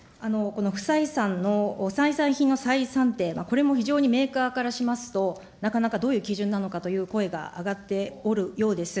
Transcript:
この不採算の不採算品の再算定、これも非常にメーカーからしますと、なかなかどういう基準なのかという声が上がっておるようです。